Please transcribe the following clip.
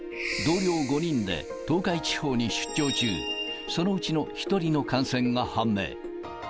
同僚５人で東海地方に出張中、そのうちの１人の感染が判明。